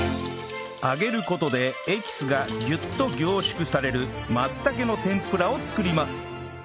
揚げる事でエキスがギュッと凝縮される松茸の天ぷらを作ります